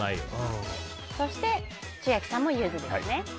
そして、千秋さんもユズですね。